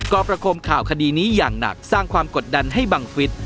ก็ประคมข่าวคดีนี้อย่างหนักสร้างความกดดันให้บังฟิศ